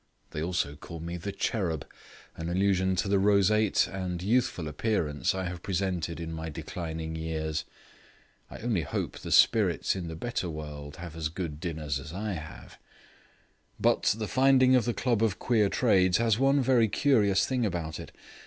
They also call me 'The Cherub', in allusion to the roseate and youthful appearance I have presented in my declining years. I only hope the spirits in the better world have as good dinners as I have. But the finding of the Club of Queer Trades has one very curious thing about it.